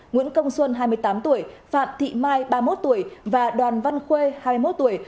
nguyễn công xuân hai mươi tám tuổi phạm thị mai ba mươi một tuổi và đoàn văn khuê hai mươi một tuổi